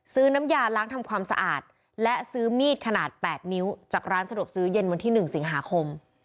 น้ำยาล้างทำความสะอาดและซื้อมีดขนาด๘นิ้วจากร้านสะดวกซื้อเย็นวันที่๑สิงหาคม